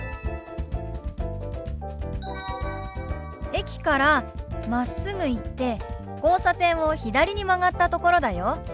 駅からまっすぐ行って交差点を左に曲がったところだよ。